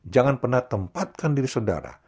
jangan pernah tempatkan diri saudara